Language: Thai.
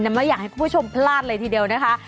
ไม่อยากให้คุณผู้ชมพลาดเลยทีเดียวนะคะ